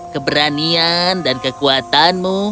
keberanian dan kekuatanmu